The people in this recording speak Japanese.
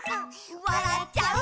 「わらっちゃう」